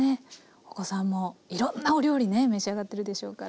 お子さんもいろんなお料理ね召し上がってるでしょうから。